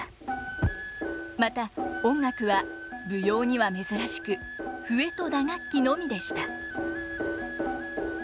また音楽は舞踊には珍しく笛と打楽器のみでした。